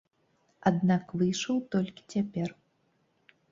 Аднак выйшаў толькі цяпер.